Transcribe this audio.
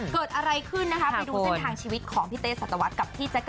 เกิดอะไรขึ้นนะครับไปดูเส้นทางชีวิตของพี่เต้สัตวัสค่ะ